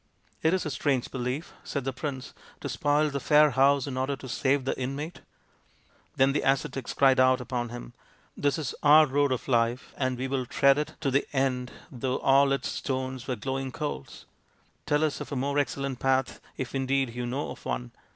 " It is a strange belief," said the prince, " to spoil the fair house in order to save its inmate." Then the ascetics cried out upon him, " This is our road of life, and we will tread it to the end though 182 THE INDIAN STORY BOOK all its stones were glowing coals. Tell us of a more excellent path if indeed you know of one.